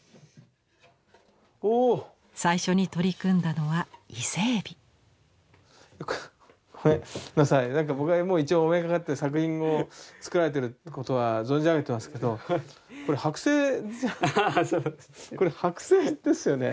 最初に取り組んだのは伊勢エビ。ごめんなさい僕はもう一応お目にかかって作品を作られてるってことは存じ上げてますけどこれ剥製じゃこれ剥製ですよね。